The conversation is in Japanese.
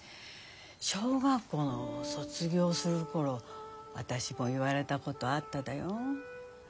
小学校卒業する頃私も言われたことあっただよ。